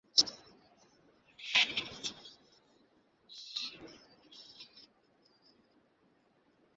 লঞ্চের মালিকেরা নাকি বলেছেন, তাঁরা রাতের বেলায় বেশি যাত্রী তুলতে চান।